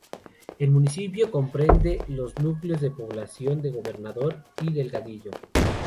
El municipio comprende los núcleos de población de Gobernador y Delgadillo.